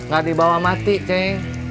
gak dibawa mati ceng